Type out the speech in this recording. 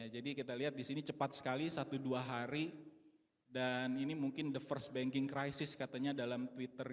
jadi kita lihat di sini cepat sekali satu dua hari dan ini mungkin the first banking crisis katanya dalam twitter